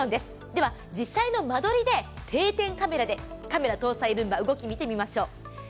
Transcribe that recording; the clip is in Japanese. では、実際の間取りで定点カメラでカメラ搭載ルンバの動きを見てみましょう。